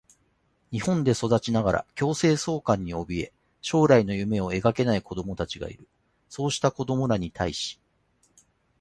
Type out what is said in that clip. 日本で育ちながら強制送還におびえ、将来の夢を描けない子どもたちがいる。そうした子どもらに対し、